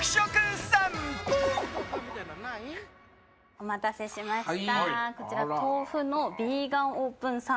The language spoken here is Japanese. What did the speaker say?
お待たせしました。